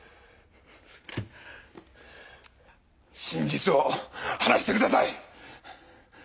真実を話してください！